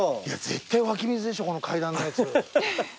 絶対湧き水でしょこの階段のやつ。